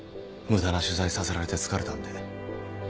無駄な取材させられて疲れたんで。